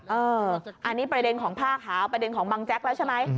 อันนี้ประเด็นของผ้าขาวประเด็นของบังแจ๊กแล้วใช่ไหม